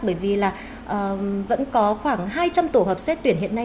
bởi vì là vẫn có khoảng hai trăm linh tổ hợp xét tuyển hiện nay